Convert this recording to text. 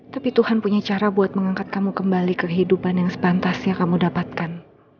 tapi tuhan punya cara buat mengangkat kamu kembali kehidupan yang sepantasnya kamu dapatkan